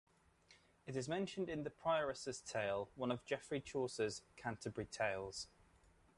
It is mentioned in "The Prioress's Tale", one of Geoffrey Chaucer's "Canterbury Tales".